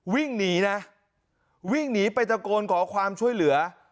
วิ่งหนีนะวิ่งหนีไปตะโกนขอความช่วยเหลือ